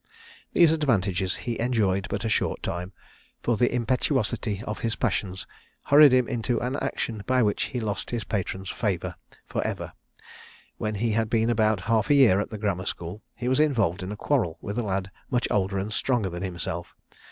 These advantages he enjoyed but a short time, for the impetuosity of his passions hurried him into an action by which he lost his patron's favour for ever. When he had been about half a year at the grammar school, he was involved in a quarrel with a lad much older and stronger than himself.